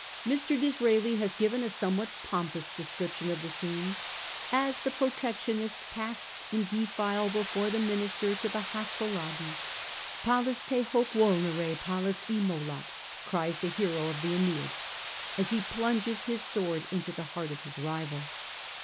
Mr. Disraeli has given a somewhat pompous description of the scene * as the Protectionists passed in defile before the mini ster to the hostile lobby.' ' Pallas te hoc vukiere, Pallas immolat,' cries the hero of the iEneid, as he plunges his sword into the heart of his rival.